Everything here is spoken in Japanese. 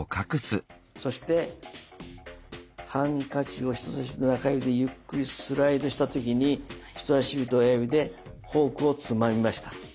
そしてハンカチを人さし指と中指でゆっくりスライドした時に人さし指と親指でフォークをつまみました。